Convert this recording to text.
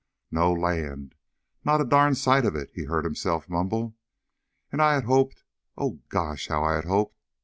"No land not a darn sight of it!" he heard himself mumble. "And I had hoped oh gosh, how I had hoped!